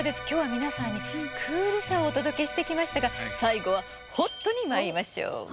きょうはみなさんにクールさをおとどけしてきましたがさいごはホットにまいりましょう。